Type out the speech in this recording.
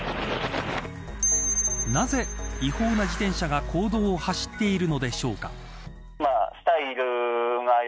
なぜ違法な自転車が公道を走っているのでしょうか。